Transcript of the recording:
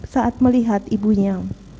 saat melihat ibunya